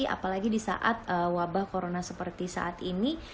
apalagi di saat wabah corona seperti saat ini